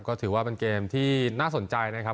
ก็ถือว่าเป็นเกมที่น่าสนใจนะครับ